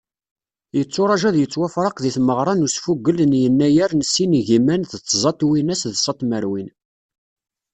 Yetturaǧu ad yettwafraq deg tmeɣra n usfugel n yennayer n sin igiman d tẓa twinas d ṣa tmerwin.